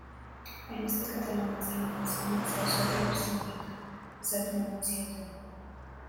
Hainbeste katalan hitz egiten zenez, auzoari Barceloneta esaten omen zioten.